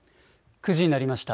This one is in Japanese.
９時になりました。